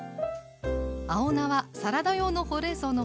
青菜はサラダ用のほうれんそうの他